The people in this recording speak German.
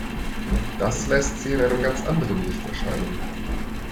Das lässt sie in einem ganz anderem Licht erscheinen.